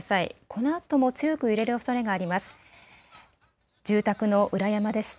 このあとも強く揺れるおそれがあります。